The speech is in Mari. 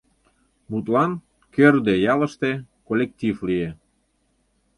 Мутлан, Кӧрдӧ ялыште коллектив лие.